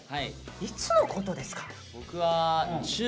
いつのことですか？